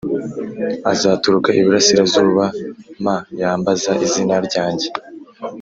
Azaturuka iburasirazuba m yambaza izina ryanjye